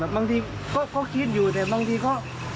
บางทีก็คิดอยู่แต่บางทีก็